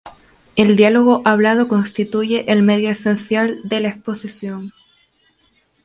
El diálogo hablado constituye el medio esencial de la exposición.